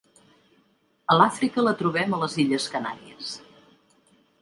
A l'Àfrica la trobem a les Illes Canàries.